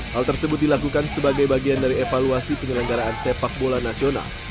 hal tersebut dilakukan sebagai bagian dari evaluasi penyelenggaraan sepak bola nasional